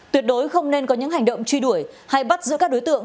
tuyệt đối không nên có những hành động truy đuổi hay bắt giữa các đối tượng